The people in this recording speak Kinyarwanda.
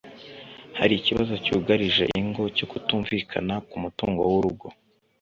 hari ikibazo cyugarije ingo cyo kutumvikana ku mutungo w’urugo